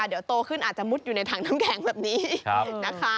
เดี๋ยวโตขึ้นอาจจะมุดอยู่ในถังน้ำแข็งแบบนี้นะคะ